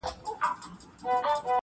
څه پیالې پیالې را ګورې څه نشه نشه ږغېږې,